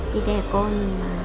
đi đẻ con